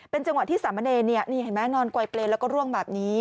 เป็นจังหวะที่สามเณรเนี่ยนี่เห็นไหมนอนกว่ายเปรย์แล้วก็ร่วงแบบนี้